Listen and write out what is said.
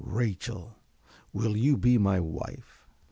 Rachel, will you be my wife?